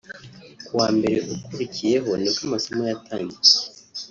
ku wa mbere ukurikiyeho nibwo amasomo yatangiye